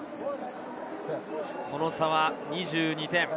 その差は２２点。